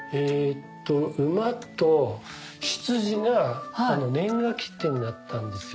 午と未が年賀切手になったんですよ。